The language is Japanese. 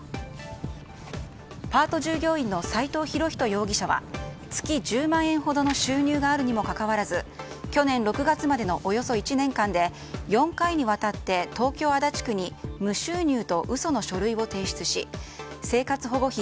パート従業員の斎藤博人容疑者は月１０万円ほどの収入があるにもかかわらず去年６月までのおよそ１年間で４回にわたって、東京・足立区に無収入と嘘の書類を提出し生活保護費